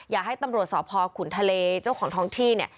อย่าให้ตำรวจสอพขุนทะเลเจ้าของท้องที่